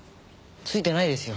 ついてないですよ！